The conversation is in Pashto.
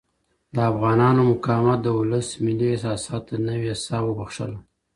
د افغانانو مقاومت د ولس ملي احساساتو ته نوې سا وبخښله.